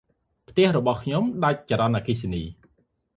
ផ្ទះរបស់ខ្ញុំដាច់ចរន្តអគ្គិសនី ។